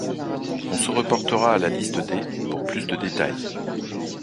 On se reportera à la liste des pour plus de détails.